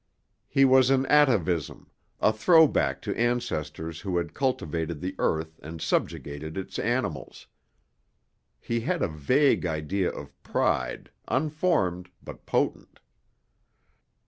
He was an atavism, a throwback to ancestors who had cultivated the earth and subjugated its animals. He had a vague idea of pride, unformed but potent.